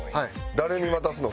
誰に渡すの？